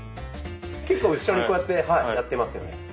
結構後ろにこうやってやってますよね？